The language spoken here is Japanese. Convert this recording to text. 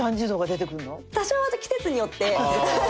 多少は季節によって。